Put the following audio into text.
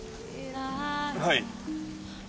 はい。